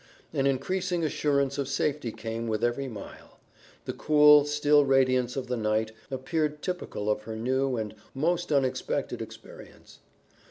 An increasing assurance of safety came with every mile; the cool, still radiance of the night appeared typical of her new and most unexpected experience.